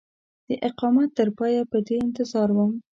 د اقامت تر پایه په دې انتظار وم.